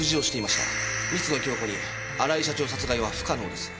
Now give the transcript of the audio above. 光野響子に荒井社長殺害は不可能です。